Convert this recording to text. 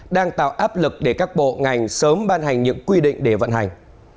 đang tạo áp lực để các bộ ngành sớm ban hành những quy định để vận hành